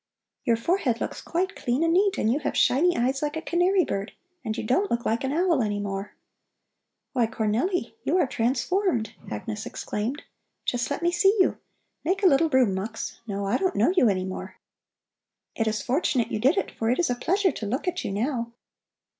"Your forehead looks quite clean and neat, and you have shiny eyes like a canary bird, and you don't look like an owl any more." "Why Cornelli! You are transformed!" Agnes exclaimed. "Just let me see you. Make a little room, Mux! No, I don't know you any more. It is fortunate you did it, for it is a pleasure to look at you now."